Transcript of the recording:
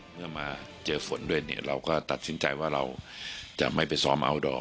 เมื่อมาเจอฝนด้วยเนี่ยเราก็ตัดสินใจว่าเราจะไม่ไปซ้อมอัลดอร์